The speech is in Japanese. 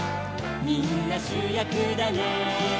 「みんなしゅやくだね」